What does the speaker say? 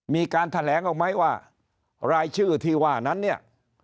มีการแถลงออกไหมว่ารายชื่อที่ว่านั้นเนี่ย